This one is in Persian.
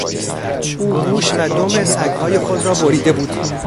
او گوش و دم سگهای خود را بریده بود.